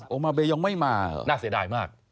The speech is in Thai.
โอมาเบยองไม่มาเหรอน่าเสียดายมาก